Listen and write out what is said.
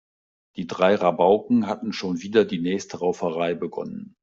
Die drei Rabauken hatten schon wieder die nächste Rauferei begonnen.